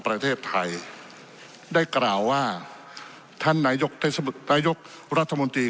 ประเทศไทยได้กล่าวว่าท่านนายกเทศนายกรัฐมนตรี